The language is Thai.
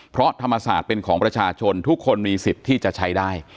เพราะธรรมศาสตร์เป็นของประชาชนทุกคนมีสิทธิ์ที่จะใช้ได้